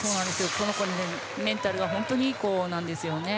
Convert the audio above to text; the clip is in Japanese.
この子、メンタルが本当にいい子なんです。